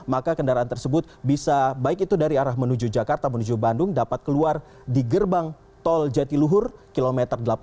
maka kendaraan tersebut bisa baik itu dari arah menuju jakarta menuju bandung dapat keluar di gerbang tol jatiluhur kilometer delapan puluh